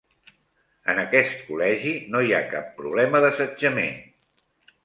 En aquest col·legi no hi ha cap problema d'assetjament.